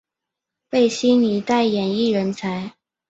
为新一代演艺人才。